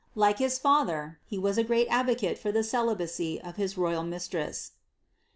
Like his father, he was a great advocate for the celibacy of his royal mistress.